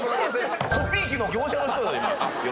コピー機の業者の人だよ